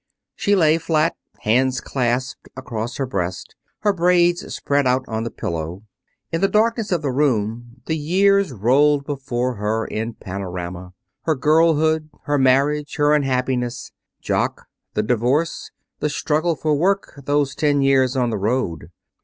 She lay flat, hands clasped across her breast, her braids spread out on the pillow. In the darkness of the room the years rolled before her in panorama: her girlhood, her marriage, her unhappiness, Jock, the divorce, the struggle for work, those ten years on the road.